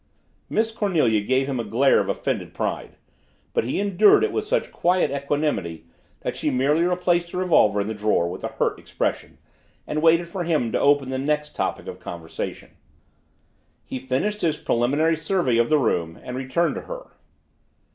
Miss Cornelia gave him a glare of offended pride, but he endured it with such quiet equanimity that she merely replaced the revolver in the drawer, with a hurt expression, and waited for him to open the next topic of conversation. He finished his preliminary survey of the room and returned to her.